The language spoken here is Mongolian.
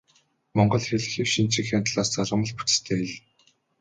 Монгол хэл хэв шинжийнхээ талаас залгамал бүтэцтэй хэл.